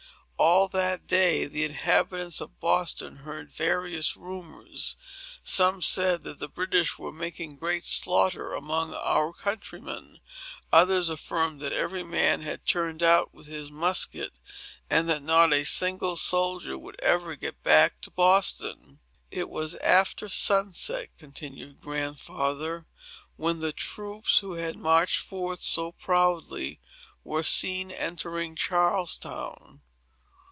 All that day, the inhabitants of Boston heard various rumors. Some said, that the British were making great slaughter among our countrymen. Others affirmed that every man had turned out with his musket, and that not a single soldier would ever get back to Boston. "It was after sunset," continued Grandfather, "when the troops, who had marched forth so proudly, were seen entering Charlestown.